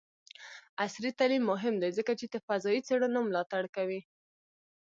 عصري تعلیم مهم دی ځکه چې د فضايي څیړنو ملاتړ کوي.